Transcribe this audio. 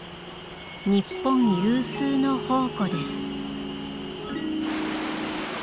日本有数の宝庫です。